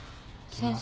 先生。